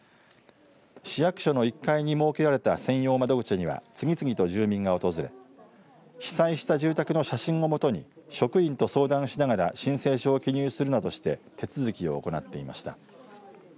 市役所の１階に設けられた専用窓口には次々と住民が訪れ被災した住宅の写真を基に職員と相談しなから申請書を記入するなどして手続きを行っていました。